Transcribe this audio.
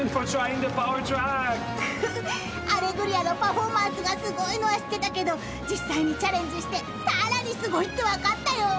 『アレグリア』のパフォーマンスがすごいのは知ってたけど実際にチャレンジしてさらにすごいって分かったよ。